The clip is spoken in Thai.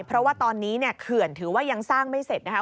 เพราะว่าตอนนี้เนี่ยเขื่อนถือว่ายังสร้างไม่เสร็จนะคะ